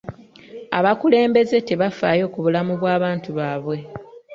Abakulembeze tebafaayo ku bulamu bw'abantu baabwe.